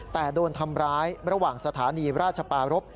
แต่โดนทำร้ายระหว่างสถานีราชปารพ